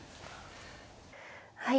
はい。